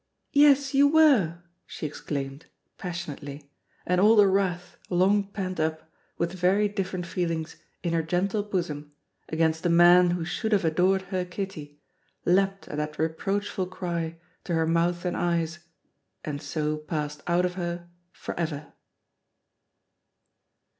"Yes, you were!" she exclaimed, passionately, and all the wrath, long pent up, with very different feelings, in her gentle bosom, against the man who should have adored her Kitty, leapt at that reproachful cry to her mouth and eyes, and so passed out of her forever.